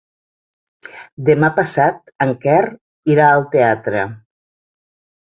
Demà passat en Quer irà al teatre.